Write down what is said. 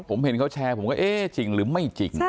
ผมเห็นเขาแชร์ผมก็เอ๊ะจริงหรือไม่จริง